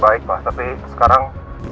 baik pak tapi sekarang